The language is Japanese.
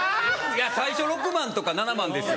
最初６万とか７万ですよ。